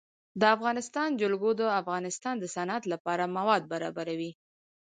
د افغانستان جلکو د افغانستان د صنعت لپاره مواد برابروي.